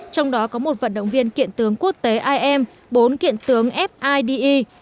trong đó có một vận động viên kiện tướng quốc tế im bốn kiện tướng fidi